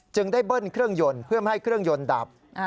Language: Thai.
ได้เบิ้ลเครื่องยนต์เพื่อไม่ให้เครื่องยนต์ดับ